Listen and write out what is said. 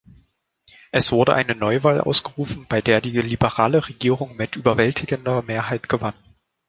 Es wurde eine Neuwahl ausgerufen, bei der die liberale Regierung mit überwältigender Mehrheit gewann.